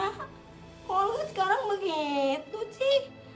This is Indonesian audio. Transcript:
kok olga sekarang begitu ci